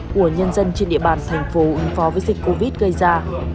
của nhân dân trên địa bàn thành phố ứng phó với dịch covid gây ra